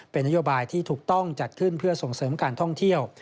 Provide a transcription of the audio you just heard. เป็นนโยบายที่ถูกต้องจัดขึ้นเพื่อส่งเสริมการท่องเที่ยว